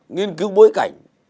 nghiên cứu bối cảnh